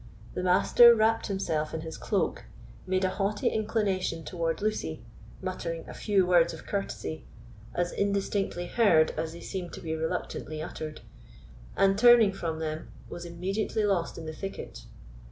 The Master wrapt himself in his cloak, made a haughty inclination toward Lucy, muttering a few words of courtesy, as indistinctly heard as they seemed to be reluctantly uttered, and, turning from them, was immediately lost in the thicket.